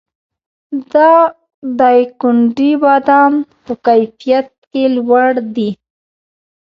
د دایکنډي بادام په کیفیت کې لوړ دي